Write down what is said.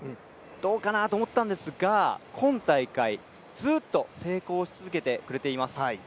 どうかなと思ったんですが今大会、ずっと成功し続けてくれています。